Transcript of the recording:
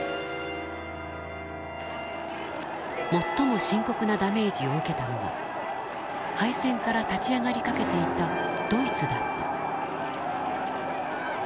最も深刻なダメージを受けたのが敗戦から立ち上がりかけていたドイツだった。